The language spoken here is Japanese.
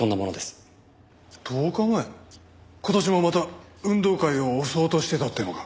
今年もまた運動会を襲おうとしてたってのか？